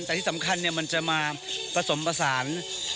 แต่ที่สำคัญมันจะมาผสมผสาน